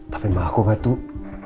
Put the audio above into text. tapi mbak aku gak tuh